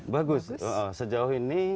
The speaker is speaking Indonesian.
bagus sejauh ini